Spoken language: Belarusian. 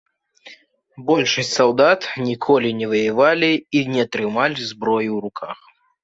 Большасць салдат ніколі не ваявалі і не трымалі зброі ў руках.